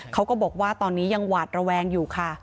เขาก็บอกว่าตอนนี้ยังหวาดระแวงอยู่ค่ะ